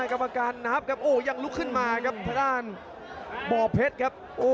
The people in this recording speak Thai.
อ่ากรรมการลุกขึ้นมาครับทหารบ่อเผชครับ